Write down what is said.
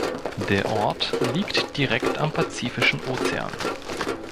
Der Ort liegt direkt am Pazifischen Ozean.